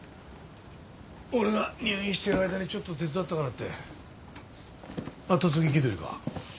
俺が入院してる間にちょっと手伝ったからって跡継ぎ気取りか？